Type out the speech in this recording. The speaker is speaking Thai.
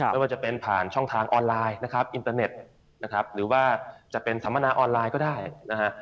ไม่ว่าจะเป็นผ่านช่องทางออนไลน์นะครับอินเตอร์เน็ตนะครับหรือว่าจะเป็นสัมมนาออนไลน์ก็ได้นะฮะ